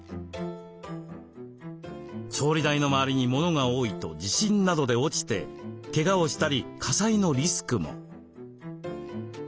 調理台の周りに物が多いと地震などで落ちてけがをしたり火災のリスクも。